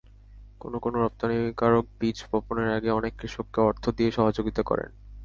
কোনো কোনো রপ্তানিকারক বীজ বপনের আগে অনেক কৃষককে অর্থ দিয়ে সহযোগিতা করেন।